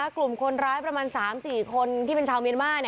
กลุ่มคนร้ายประมาณ๓๔คนที่เป็นชาวเมียนมา